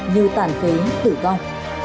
như tản phế tử con